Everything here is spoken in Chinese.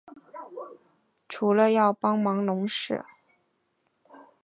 除了要帮忙农事